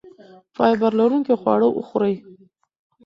فایبر لرونکي خواړه وخورئ.